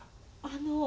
あの。